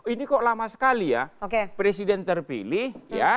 ini kok lama sekali ya presiden terpilih